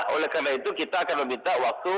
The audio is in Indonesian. oleh karena itu kita akan meminta waktu